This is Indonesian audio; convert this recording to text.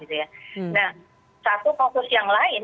nah satu kasus yang lain